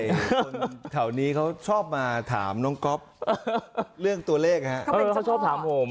คนแถวนี้เขาชอบมาถามน้องก๊อบเรื่องตัวเลขฮะเขาเป็นเจ้าพ่อเขาชอบถามผม